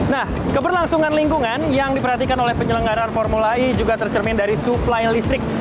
nah keberlangsungan lingkungan yang diperhatikan oleh penyelenggaraan formula e juga tercermin dari suplai listrik